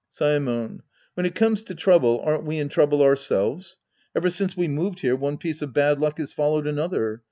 Saemon. When it comes to trouble, aren't we in trouble ourselves ? Ever since we moved here, one piece of bad luck has followed another.